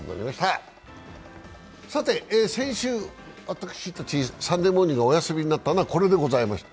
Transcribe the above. さて先週、私たち、「サンデーモーニング」がお休みになったのはこれでございました。